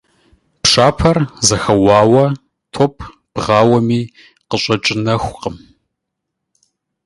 Пшапэр зэхэуауэ, топ бгъауэми, къыщӀэкӀынухэкъым.